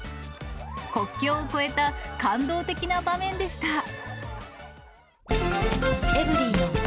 国境を越えた感動的な場面でした。